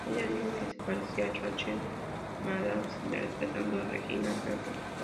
Ella dijo que se parecía a Rachel McAdams interpretando a Regina George.